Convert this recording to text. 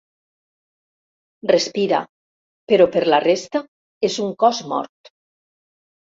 Respira, però per la resta, és un cos mort.